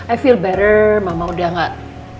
i feel better mama udah gak